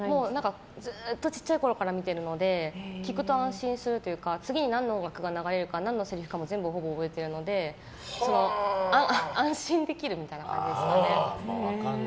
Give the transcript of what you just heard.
ずっと小さいころから見ているので聞くと安心するというか次に何の音楽が流れるか次に何のせりふかもほぼ覚えてるので安心できるみたいな感じですね。